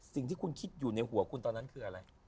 สิ่งที่คุณคิดอยู่ในหัวคุณตอนนั้นคืออะไร